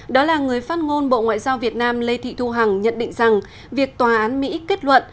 đó là người phát ngôn bộ ngoại giao việt nam lê thị thu hằng nhận định rằng việc tòa án mỹ kết luận